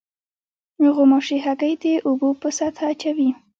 غوماشې هګۍ د اوبو په سطحه اچوي.